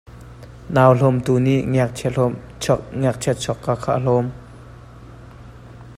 Nauhlawmtu nih ngakchia chuahka kha a hlawm.